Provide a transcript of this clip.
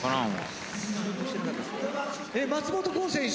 えっ松本剛選手